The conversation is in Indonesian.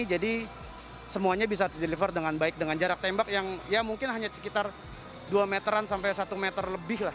jadi semuanya bisa di deliver dengan baik dengan jarak tembak yang ya mungkin hanya sekitar dua meter sampai satu meter lebih lah